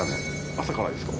朝からですか？